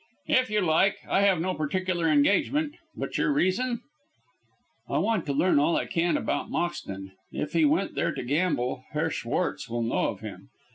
"If you like. I have no particular engagement. But your reason?" "I want to learn all I can about Moxton. If he went there to gamble, Herr Schwartz will know of him.